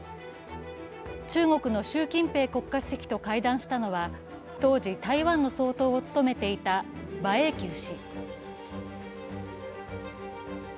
中国の習近平国家主席と会談したのは当時、台湾の総統を務めていた馬英九氏。